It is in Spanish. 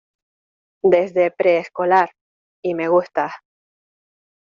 desde preescolar. y me gustas .